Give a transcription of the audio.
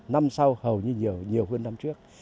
năm sau hầu như nhiều hơn năm trước